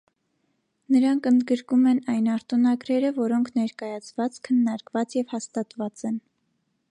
Նրանք ընդգրկում են այն արտոնագրերը, որոնք ներկայացված, քննարկված և հաստատված են։